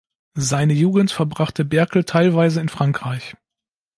Seine Jugend verbrachte Berkel teilweise in Frankreich.